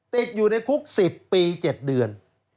ติดอยู่ในคุก๑๐ปี๗เดือน